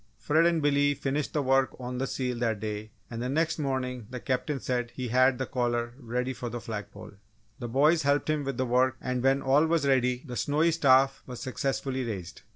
Fred and Billy finished the work on the seal that day, and the next morning the Captain said he had the collar ready for the flag pole. The boys helped him with the work and when all was ready the snowy staff was successfully raised.